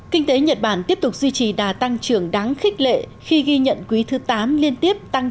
kinh tế nhật bản tiếp tục duy trì đà tăng trưởng đáng khích lệ khi ghi nhận quý thứ tám liên tiếp tăng